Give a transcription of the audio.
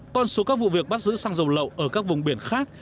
con số các vụ việc bắt giữ xăng dầu lậu ở các vùng biển khác